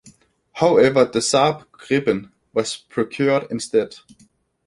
However, the Saab Gripen was procured instead.